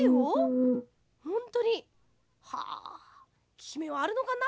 ききめはあるのかな？